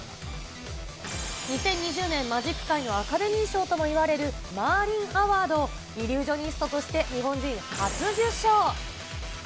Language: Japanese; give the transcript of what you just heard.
２０２０年、マジック界のアカデミー賞ともいわれるマーリンアワードを、イリュージョニストとして、日本人初受賞。